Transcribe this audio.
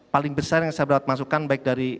paling besar yang saya dapat masukan baik dari